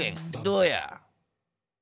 どうや？